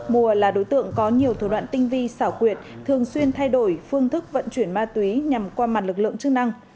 mùa là đối tượng có nhiều thủ đoạn tinh vi xảo quyệt thường xuyên thay đổi phương thức vận chuyển ma túy nhằm qua mặt lực lượng chức năng